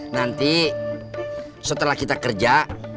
nanti setelah kita kerja